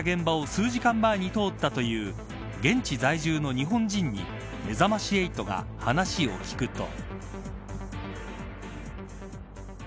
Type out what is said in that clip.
数時間前に通ったという現地在住の日本人にめざまし８が話を聞くと。